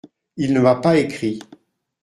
Il ne m’a pas écrit…